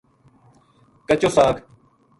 کچو ساگ